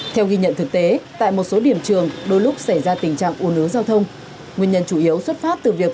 theo ghi nhận thực tế tại một số điểm trường đôi lúc xảy ra tình trạng uốn ứng giao thông